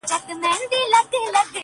د قهر کاڼی پء ملا باندې راوښويدی؛